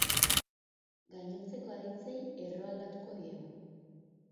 Gainontzeko aditzei erroa aldatuko diegu.